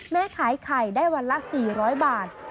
ขายไข่ได้วันละ๔๐๐บาท